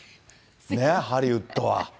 ハリウッドは。